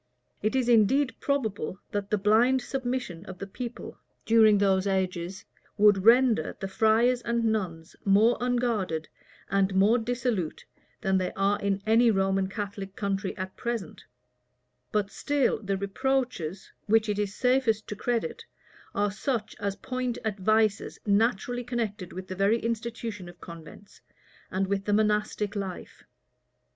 It is indeed probable, that the blind submission of the people, during those ages, would render the friars and nuns more unguarded and more dissolute than they are in any Roman Catholic country at present; but still the reproaches, which it is safest to credit, are such as point at vices naturally connected with the very institution of convents, and with the monastic life.